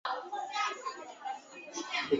白长腹蝇虎属为跳蛛科长腹蝇虎属的动物。